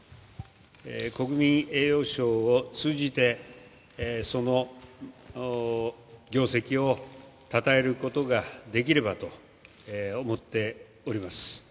国民栄誉賞を通じて、その業績をたたえることができればと思っております。